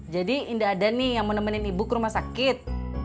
jadi indah ada nih yang menemani ibu ke rumah sakit